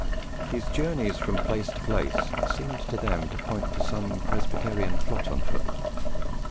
His journeys from place to place seemed to them to point to some Presbyterian plot on foot.